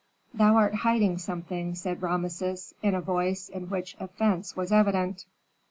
"Thou art hiding something," said Rameses, in a voice in which offence was evident.